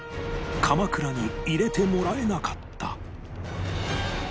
鎌倉に入れてもらえなかった